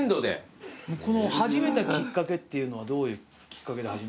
始めたきっかけっていうのはどういうきっかけで始められたんですか？